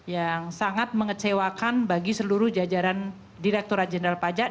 yang sangat mengecewakan bagi seluruh jajaran direkturat jenderal pajak